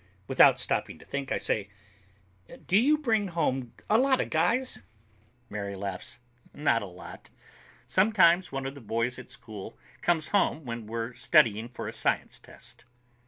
Without stopping to think, I say, "Do you bring home a lot of guys?" Mary laughs. "Not a lot. Sometimes one of the boys at school comes home when we're studying for a science test."